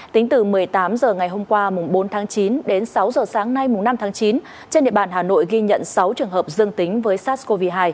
tính từ một mươi tám h ngày hôm qua bốn tháng chín đến sáu h sáng nay năm tháng chín trên địa bàn hà nội ghi nhận sáu trường hợp dương tính với sars cov hai